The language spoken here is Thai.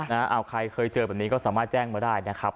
เอาใครเคยเจอแบบนี้ก็สามารถแจ้งมาได้นะครับ